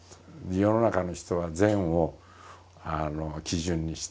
世の中の人は善を基準にしていると。